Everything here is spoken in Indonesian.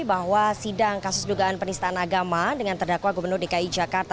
bahwa sidang kasus dugaan penistaan agama dengan terdakwa gubernur dki jakarta